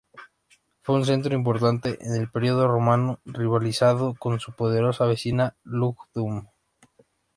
Fue un centro importante en el periodo romano, rivalizando con su poderosa vecina Lugdunum.